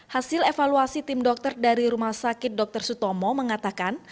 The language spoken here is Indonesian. hasil evaluasi tim dokter dari rumah sakit dr sutomo mengatakan